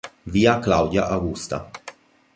Via Claudia Augusta